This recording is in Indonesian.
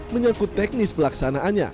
menyakut teknis pelaksanaannya